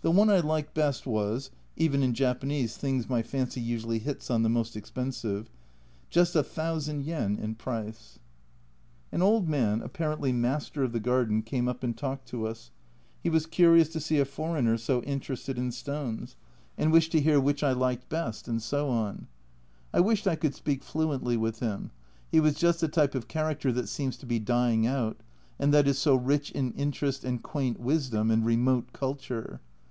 The one I liked best was (even in Japanese things my fancy usually hits on the most expensive) just a thousand yen in price ! An old man, apparently master of the garden, came up and talked to us, he was curious to see a foreigner so interested in stones, and wished to hear which I A Journal from Japan 191 liked best, and so on. I wished I could speak fluently with him, he was just the type of character that seems to be dying out, and that is so rich in interest and quaint wisdom and remote culture.